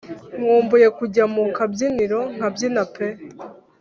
Nkumbuye kujya mu kabyiniro nkabyina pe